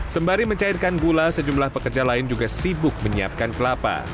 sembari mencairkan gula sejumlah pekerja lain juga sibuk menyiapkan kelapa